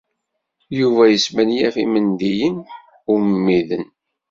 Yuba yesmenyaf imendiyen ummiden.